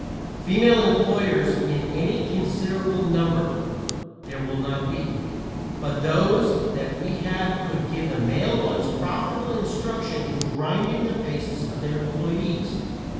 (Female employers in any considerable number there will not be, but those that we have could give the male ones profitable instruction in grinding the faces of their employees.)